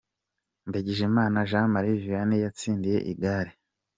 Ndagijimana Jean Mari Vianney yatsindiye igare.